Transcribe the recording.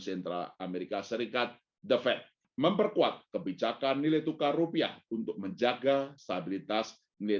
sentra amerika serikat the fed memperkuat kebijakan nilai tukar rupiah untuk menjaga stabilitas nilai